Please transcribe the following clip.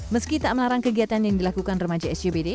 meski tak melarang kegiatan yang dilakukan remaja sjbd